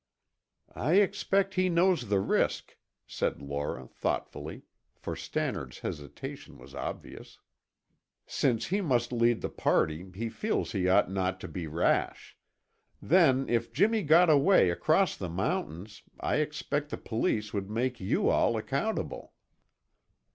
"I expect he knows the risk," said Laura thoughtfully, for Stannard's hesitation was obvious. "Since he must lead the party, he feels he ought not to be rash. Then if Jimmy got away across the mountains, I expect the police would make you all accountable."